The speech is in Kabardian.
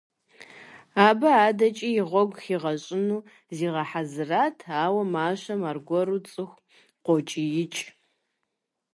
Абы адэкӀи и гъуэгу хигъэщӀыну зигъэхьэзырат, ауэ мащэм аргуэру цӀыху къокӀиикӀ: